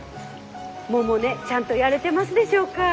百音ちゃんとやれてますでしょうか？